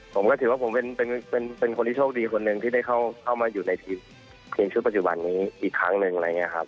ผมก็ถือว่าผมเป็นคนที่โชคดีคนหนึ่งที่ได้เข้ามาอยู่ในทีมชุดปัจจุบันนี้อีกครั้งหนึ่งอะไรอย่างนี้ครับ